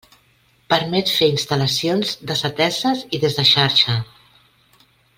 Permet fer instal·lacions desateses i des de xarxa.